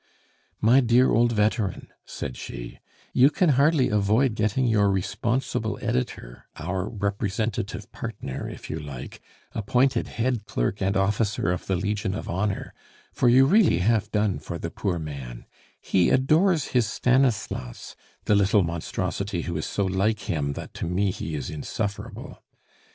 "My dear old veteran," said she, "you can hardly avoid getting your responsible editor, our representative partner if you like, appointed head clerk and officer of the Legion of Honor, for you really have done for the poor man, he adores his Stanislas, the little monstrosity who is so like him, that to me he is insufferable.